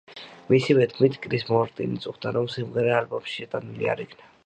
მისივე თქმით, კრის მარტინი წუხდა, რომ სიმღერა ალბომში შეტანილი არ იქნა.